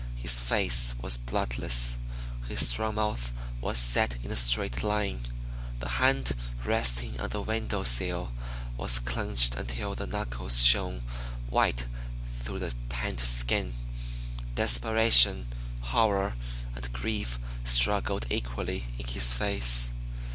His face was bloodless; his strong mouth was set in a straight line; the hand resting on the window sill was clenched until the knuckles shone white through the tanned skin. Desperation, horror, and grief struggled equally in his face.